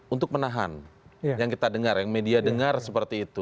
untuk menahan yang kita dengar yang media dengar seperti itu